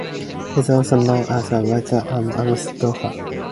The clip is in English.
He is also known as a writer and amateur golfer.